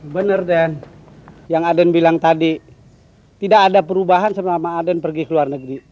benar den yang aden bilang tadi tidak ada perubahan sama aden pergi ke luar negeri